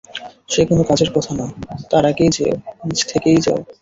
সে কোনো কাজের কথা নয়, তার আগেই যেয়ো, নিজে থেকেই যেয়ো।